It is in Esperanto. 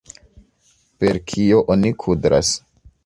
Per kio oni kudras?